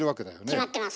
決まってます。